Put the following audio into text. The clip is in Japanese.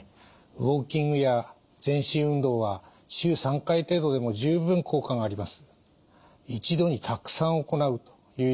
ウォーキングや全身運動は週３回程度でも十分効果があります。